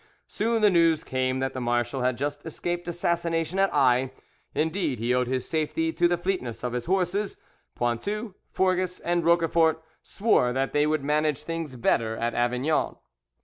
Soon the news came that the marshal had just escaped assassination at Aix, indeed he owed his safety to the fleetness of his horses. Pointu, Forges, and Roquefort swore that they would manage things better at Avignon.